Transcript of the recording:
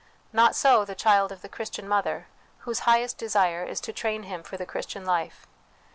Not so the child of the Chris tian mother, whose highest desire is to train him for the Christian life.